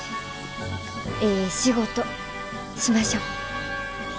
ええ仕事しましょう！